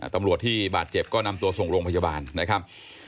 ตำรวจที่บาดเจ็บก็นำตัวส่งโรงพยาบาลนะครับ